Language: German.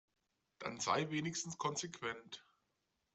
Dann sei wenigstens konsequent.